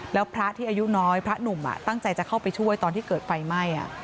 แล้วพระที่อายุน้อยพระหนุ่มตั้งใจจะเข้าไปช่วยตอนที่เกิดไฟไหม้